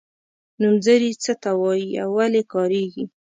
نومځري څه ته وايي او ولې کاریږي.